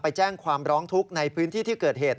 แจ้งความร้องทุกข์ในพื้นที่ที่เกิดเหตุ